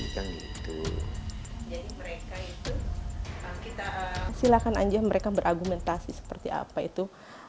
silahkan aja mereka berargumentasi seperti apa itu